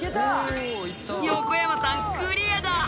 横山さんクリアだ！